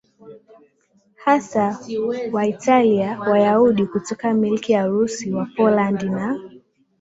hasa Waitalia Wayahudi kutoka Milki ya Urusi Wapolandi na